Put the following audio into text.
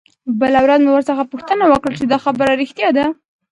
بله ورځ مې ورڅخه پوښتنه وکړه چې دا خبره رښتيا ده.